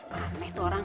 pantai tuh orang